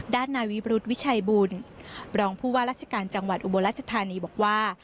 ด้านนายวิบรุษวิชัยบุญรองผู้ว่าราชการจังหวัดอุบลรัชธานีบอกว่า